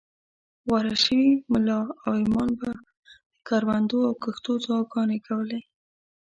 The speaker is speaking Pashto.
غوره شوي ملا او امام به د کروندو او کښتو دعاګانې کولې.